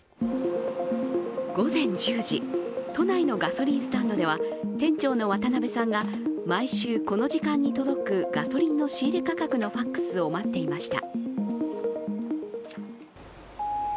午前１０時、都内のガソリンスタンドでは店長の渡邊さんが毎週この時間に届くガソリンの仕入れ価格のＦＡＸを待っていました。